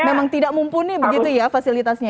memang tidak mumpuni begitu ya fasilitasnya